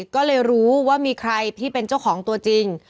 ก็เลยรู้ว่ามีใครที่เป็นเจ้าของตัวจริง